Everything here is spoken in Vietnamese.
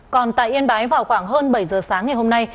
còn tại yên bái vào khoảng hơn bảy giờ sáng ngày hôm nay